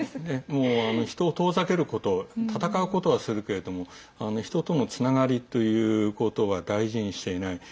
人を遠ざけること闘うことはするけれども人とのつながりということは大事にしていない。